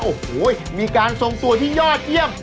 โอ้โหมีการทรงตัวที่ยอดเยี่ยม